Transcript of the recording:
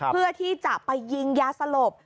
เพื่อที่จะไปยิงยาสลบ